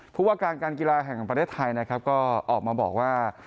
ผู้ว่าการการกีฬาแห่งประเทศไทยนะครับก็ออกมาบอกว่า